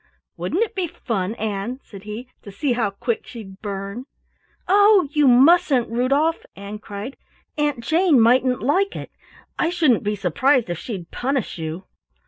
"Wouldn't it be fun, Ann," said he, "to see how quick she'd burn?" "Oh, you mustn't, Rudolf," Ann cried, "Aunt Jane mightn't like it. I shouldn't be surprised if she'd punish you."